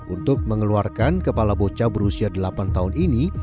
untuk mengeluarkan kepala bocah berusia delapan tahun ini